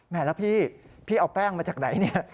แหมแล้วพี่พี่เอาแป้งมาจากไหน